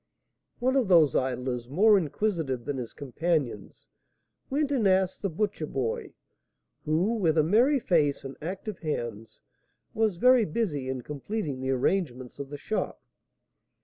One of those idlers, more inquisitive than his companions, went and asked the butcher boy, who, with a merry face and active hands, was very busy in completing the arrangements of the shop.